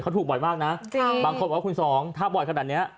เขาถูกบ่อยมากนะบางคนบอกว่าคุณสองถ้าบ่อยขนาดเนี้ย